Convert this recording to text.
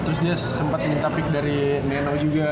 terus dia sempet minta pick dari neno juga